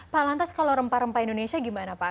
pak lantas kalau rempah rempah indonesia gimana pak